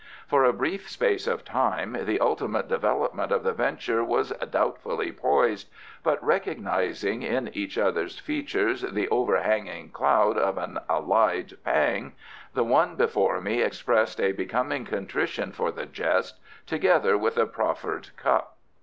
For a brief space of time the ultimate development of the venture was doubtfully poised, but recognising in each other's features the overhanging cloud of an allied pang, the one before me expressed a becoming contrition for the jest, together with a proffered cup.